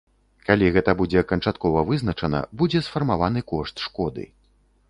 Калі гэта будзе канчаткова вызначана, будзе сфармаваны кошт шкоды.